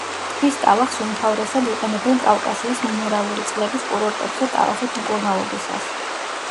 ტბის ტალახს უმთავრესად იყენებენ კავკასიის მინერალური წყლების კურორტებზე ტალახით მკურნალობისას.